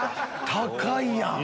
高いやん！